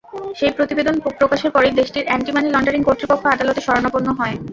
সেই প্রতিবেদন প্রকাশের পরই দেশটির অ্যান্টি মানি লন্ডারিং কর্তৃপক্ষ আদালতের শরণাপন্ন হয়।